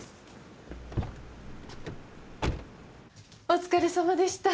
お疲れさまでした。